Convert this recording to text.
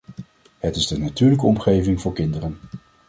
Het is de natuurlijke omgeving voor kinderen.